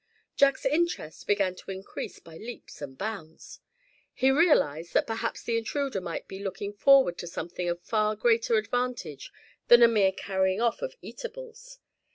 Jack's interest began to increase by leaps and bounds. He realized that perhaps the intruder might be looking forward to something of far greater advantage than a mere carrying off of eatables.